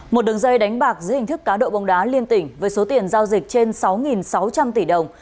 một đường dây đánh bạc dưới hình thức cá độ bóng đá liên tỉnh với số tiền giao dịch trên sáu sáu trăm linh tỷ đồng